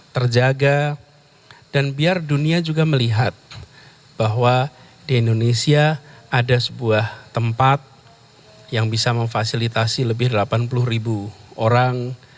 terjaga dan biar dunia juga melihat bahwa di indonesia ada sebuah tempat yang bisa memfasilitasi lebih delapan puluh ribu orang